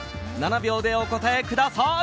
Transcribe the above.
７秒でお答えください。